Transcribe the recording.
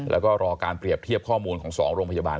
แล้วก็รอการเปรียบเทียบข้อมูลของ๒โรงพยาบาล